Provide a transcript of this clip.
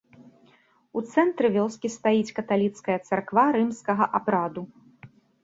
У цэнтры вёскі стаіць каталіцкая царква рымскага абраду.